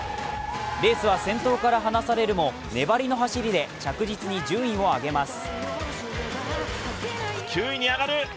レースは先頭から離されるも粘りの走りで着実に順位を上げます。